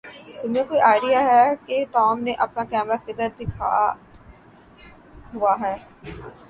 تمھیں کوئی آئڈیا ہے کہ ٹام نے اپنا کیمرہ کدھر دکھا ہوا ہے؟